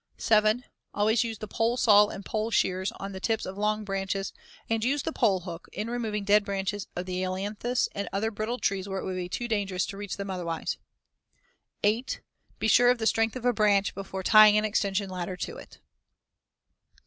7. Always use the pole saw and pole shears on the tips of long branches, and use the pole hook in removing dead branches of the ailanthus and other brittle trees where it would be too dangerous to reach them otherwise. 8. Be sure of the strength of a branch before tying an extension ladder to it.